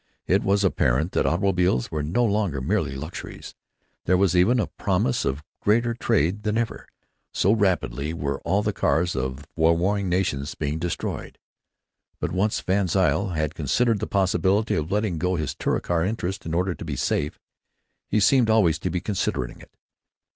It was apparent that automobiles were no longer merely luxuries. There was even a promise of greater trade than ever, so rapidly were all the cars of the warring nations being destroyed. But, once VanZile had considered the possibility of letting go his Touricar interest in order to be safe, he seemed always to be considering it.